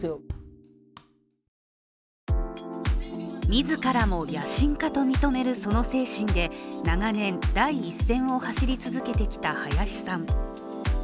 自らも野心家と認めるその精神で長年、第一線を走り続けてきた林さん。